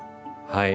はい。